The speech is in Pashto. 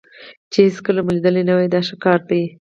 چې هېڅکله مو لیدلی نه وي دا ښه کار دی.